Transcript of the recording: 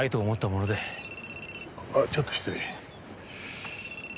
あっちょっと失礼。